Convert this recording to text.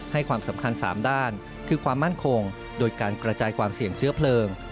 ความสำคัญ๓ด้านคือความมั่นคงโดยการกระจายความเสี่ยงเชื้อเพลิง